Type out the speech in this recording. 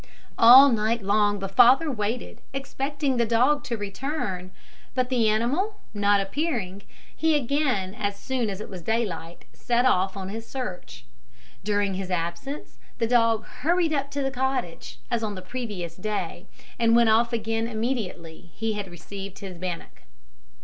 All night long the father waited, expecting the dog to return; but the animal not appearing, he again, as soon as it was daylight, set off on his search. During his absence, the dog hurried up to the cottage, as on the previous day, and went off again immediately he had received his bannock.